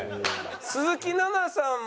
鈴木奈々さんも。